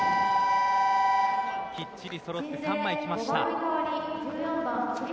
きっちりそろって３枚きました。